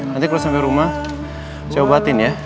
nanti kalau sampai rumah saya obatin ya